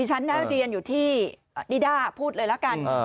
ฉัฏน่าจะเรียนอยู่ที่ดิด้าพูดเลยแล้วกัน